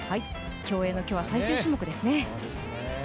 競泳の最終種目ですね。